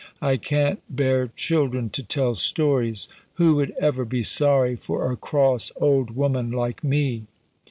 I can't bear children to tell stories. Who would ever be sorry for a cross old woman like me?"